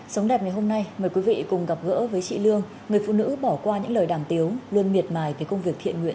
sống đẹp ngày hôm nay mời quý vị cùng gặp gỡ với chị lương người phụ nữ bỏ qua những lời đàm tiếng luôn miệt mài về công việc thiện nguyện